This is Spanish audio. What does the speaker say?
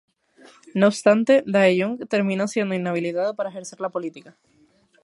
No obstante, Dae-jung terminó siendo inhabilitado para ejercer la política.